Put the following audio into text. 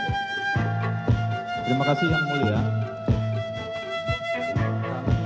terima kasih yang mulia